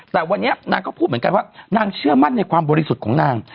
แต่วันนี้นางก็พูดเหมือนกันว่านางเชื่อมั่นในความบริสุทธิ์ของนาง